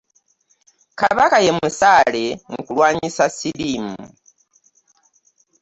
Kabaka ye musaale mu kulwanyisa siriimu.